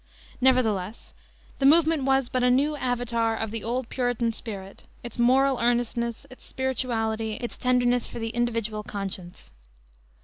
Nevertheless the movement was but a new avatar of the old Puritan spirit; its moral earnestness, its spirituality, its tenderness for the individual conscience.